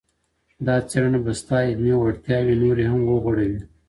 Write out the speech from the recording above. دا څېړنه به ستا علمي وړتیاوې نورې هم وغوړوي.